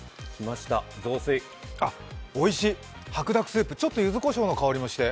あ、おいしい、白濁スープ、ちょっとゆずこしょうの香りもして。